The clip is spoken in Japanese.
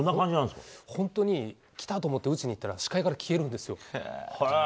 本当に、きた！と思って打ちにいったら視界から消えるんですよ。